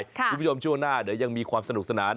ค่ะคุณผู้ชมช่วงหน้าเดี๋ยวยังมีความสนุกสนาน